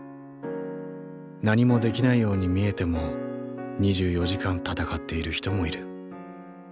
何もできないように見えても２４時間闘っている人もいる。